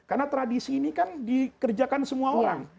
karena tradisi ini kan dikerjakan semua orang